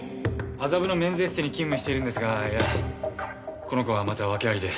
麻布のメンズエステに勤務しているんですがこの子がまた訳ありで。